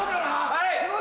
はい！